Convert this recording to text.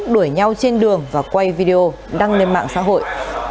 đuổi nhau trên đường và quay video đăng lên mạng xã hội